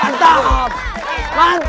mantap mantap ipa